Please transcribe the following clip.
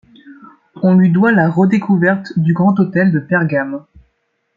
On lui doit la redécouverte du Grand Autel de Pergame.